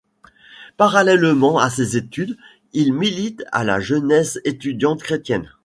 Parallèlement à ses études, il milite à la Jeunesse étudiante chrétienne.